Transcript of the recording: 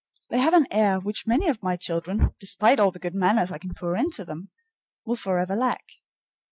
They have an air which many of my children, despite all the good manners I can pour into them, will forever lack.